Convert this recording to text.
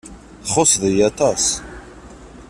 Txuṣṣeḍ-iyi aṭas.